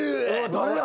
誰や？